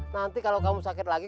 nanti kalau kamu sakit lagi